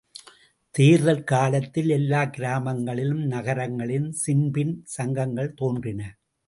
தேர்தல் காலத்தில் எல்லாக் கிராமங்களிலும் நகரங்களிலும் ஸின்பின் சங்கங்கள் தோன்றின.